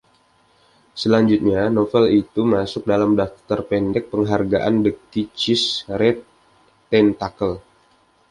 Selanjutnya novel itu masuk dalam daftar pendek penghargaan The Kitschies Red Tentacle.